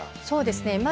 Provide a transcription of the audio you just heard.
そうですね。